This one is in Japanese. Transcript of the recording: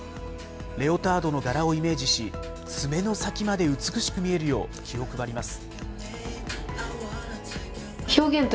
レオタードの柄をイメージし、爪の先まで美しく見えるよう気を配ります。